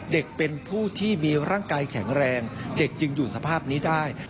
เด็กเป็นผู้ที่มีร่างกายแข็งแรงเด็กจึงอยู่สภาพนี้ได้